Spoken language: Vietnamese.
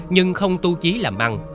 nhưng không tu trí làm ăn